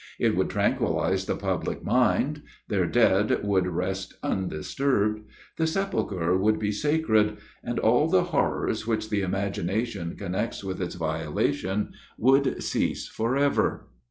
It would tranquillize the public mind. Their dead would rest undisturbed: the sepulchre would be sacred: and all the horrors which the imagination connects with its violation would cease for ever.